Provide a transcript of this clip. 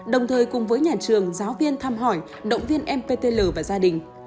đồng thời cùng với nhà trường giáo viên thăm hỏi động viên em ptl và gia đình